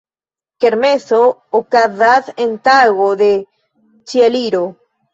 Kermeso okazas en tago de Ĉieliro.